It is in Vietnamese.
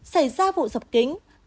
xảy ra vụ dập kính